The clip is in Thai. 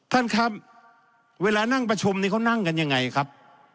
ท่านครับเวลานั่งประชุมนี้เขานั่งกันยังไงครับ